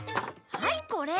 はいこれ。